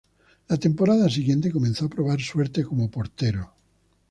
La temporada siguiente comenzó a probar suerte como portero.